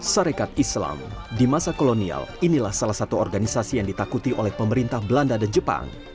sarekat islam di masa kolonial inilah salah satu organisasi yang ditakuti oleh pemerintah belanda dan jepang